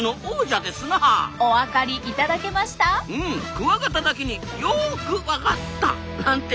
クワガタだけによクワガッタ！なんて。